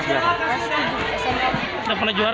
sudah pernah juara